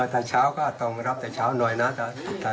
ถ้าเช้าก็ต้องรับแต่เช้าหน่อยนะ